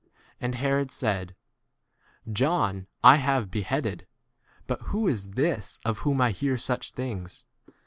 And Herod said, John I have beheaded, but who is this of whom I hear such things